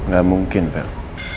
gak mungkin vel